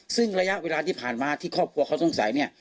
ซึ่งระยะเวลาที่ผ่านมาที่ครอบครัวเขาสงสัยเนี่ย